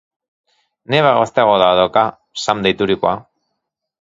Neba gazteago bat dauka Sam deiturikoa.